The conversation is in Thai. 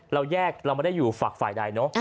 เราแยกเราไม่ได้อยู่ฝักฝ่ายใดเนอะ